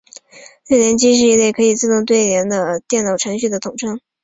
对联机是一类可以自动对对联的电脑程序的统称。